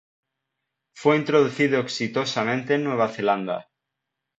Fue introducido exitosamente en Nueva Zelanda.